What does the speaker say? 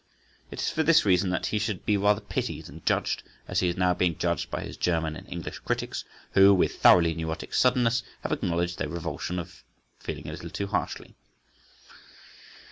It is for this reason that he should be rather pitied than judged as he is now being judged by his German and English critics, who, with thoroughly neurotic suddenness, have acknowledged their revulsion of feeling a little too harshly.